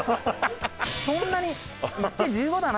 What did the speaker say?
そんなにいって１５だな。